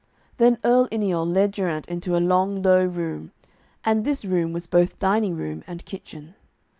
Then Earl Yniol led Geraint into a long low room, and this room was both dining room and kitchen.